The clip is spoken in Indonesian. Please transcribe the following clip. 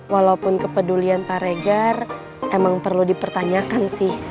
walaupun kepedulian pak regar emang perlu dipertanyakan sih